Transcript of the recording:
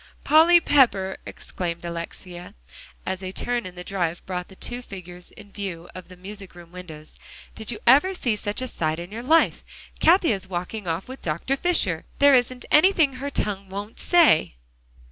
"Polly Pepper!" exclaimed Alexia, as a turn in the drive brought the two figures in view of the music room windows, "did you ever see such a sight in your life? Cathie is walking off with Dr. Fisher! There isn't anything her tongue won't say!"